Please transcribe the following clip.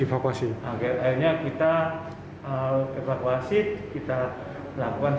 isoman isoman itu kemudian dia asalnya menolak dia tidak mengakui adanya